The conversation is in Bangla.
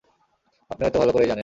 আপনি হয়তো ভালো করেই জানেন।